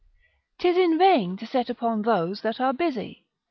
'Tis in vain to set upon those that are busy.